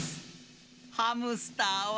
ハムスターは。